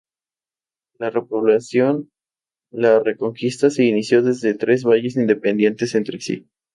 La repoblación, la Reconquista, se inició desde tres valles independientes entre sí.